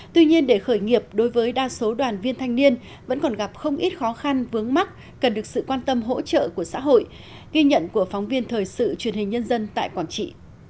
tuy nhiên để khởi nghiệp đối với đa số đoàn viên thanh niên vẫn còn gặp không ít khó khăn vướng mắt cần được sự quan tâm hỗ trợ của xã hội ghi nhận của phóng viên thời sự truyền hình nhân dân tại quảng trị